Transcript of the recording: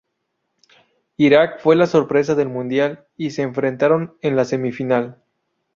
Irak fue la sorpresa del Mundial, y se enfrentaron en la semifinal.